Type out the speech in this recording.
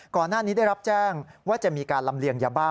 ก่อนหน้านี้ได้รับแจ้งว่าจะมีการลำเลียงยาบ้า